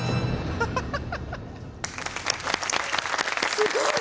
すごい！